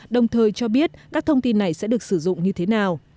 đồng thời cho biết các thông tin này sẽ được sử dụng như thế nào